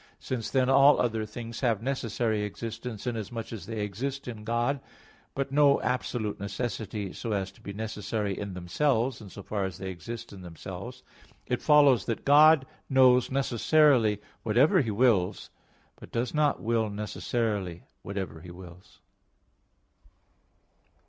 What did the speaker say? Since then all other things have necessary existence inasmuch as they exist in God; but no absolute necessity so as to be necessary in themselves, in so far as they exist in themselves; it follows that God knows necessarily whatever He wills, but does not will necessarily whatever He wills.